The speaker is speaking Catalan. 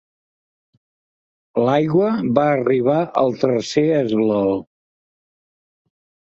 L'aigua va arribar al tercer esglaó.